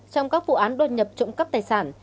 trong các vụ án đột nhập trộm cắp tài sản